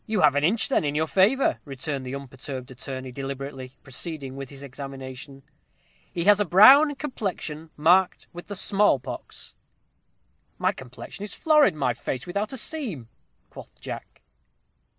"You have an inch, then, in your favor," returned the unperturbed attorney, deliberately proceeding with his examination "'he has a brown complexion, marked with the smallpox.'" "My complexion is florid my face without a seam," quoth Jack.